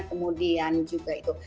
kemudian juga itu